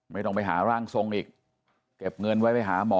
ไม่ต้องไปหาร่างทรงอีกเก็บเงินไว้ไปหาหมอ